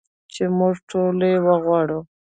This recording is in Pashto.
چې موږ ټول یې غواړو.